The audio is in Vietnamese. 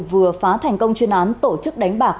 vừa phá thành công chuyên án tổ chức đánh bạc